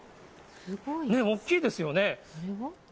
大きいですよね。